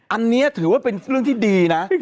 อันนี้ถือว่าเป็นเรื่องที่ดีนะ